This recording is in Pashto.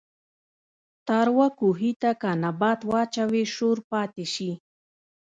تاروۀ کوهي ته کۀ نبات واچوې شور پاتې شي